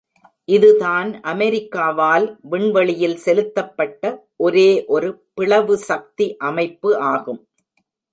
இதுதான் அமெரிக்காவால் விண்வெளியில் செலுத்தப்பட்ட ஒரே ஒரு பிளவு சக்தி அமைப்பு ஆகும்.